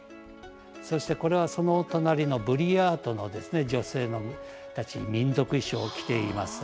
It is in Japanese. そしてこれはそのお隣のブリヤートの女性たち民族衣装を着ています。